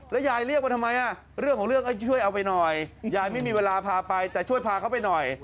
ยายเรียกว่าทำไมเรื่องของเรื่องช่วยเอาไปหน่อยยายไม่มีเวลาพาไปแต่ช่วยพาเขาไปหน่อย